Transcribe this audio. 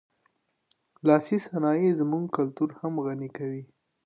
لاسي صنایع زموږ کلتور هم غني کوي.